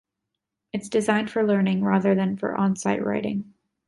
It's designed for learning rather than for on-site writing.